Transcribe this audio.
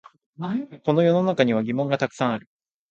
この世の中には疑問がたくさんある